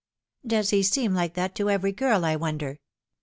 Does he seem like that to every girl, I wonder